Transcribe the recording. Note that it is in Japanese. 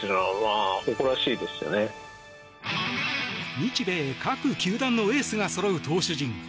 日米各球団のエースがそろう投手陣。